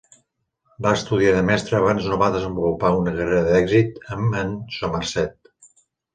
Va estudiar de mestre abans no va desenvolupar una carrera d'èxit amb en Somerset.